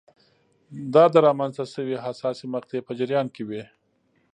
دا د رامنځته شوې حساسې مقطعې په جریان کې وې.